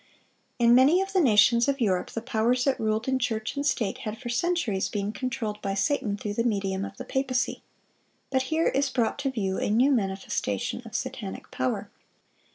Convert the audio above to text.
In many of the nations of Europe the powers that ruled in church and state had for centuries been controlled by Satan, through the medium of the papacy. But here is brought to view a new manifestation of satanic power.